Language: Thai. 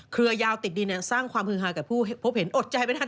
เรือยาวติดดินสร้างความฮือฮากับผู้พบเห็นอดใจไปทัน